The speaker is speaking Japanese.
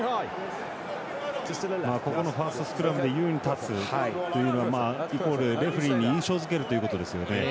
ファーストスクラムで優位に立つというのはイコールレフリーに印象づけるということですよね。